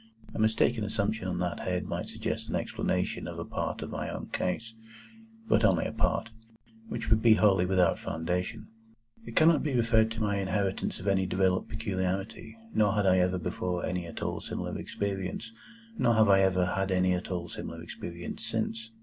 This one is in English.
A mistaken assumption on that head might suggest an explanation of a part of my own case,—but only a part,—which would be wholly without foundation. It cannot be referred to my inheritance of any developed peculiarity, nor had I ever before any at all similar experience, nor have I ever had any at all similar experience since.